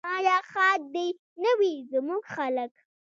آیا ښاد دې نه وي زموږ خلک؟